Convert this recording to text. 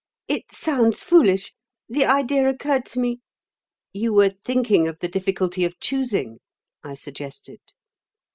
"It sounds foolish. The idea occurred to me." "You were thinking of the difficulty of choosing?" I suggested.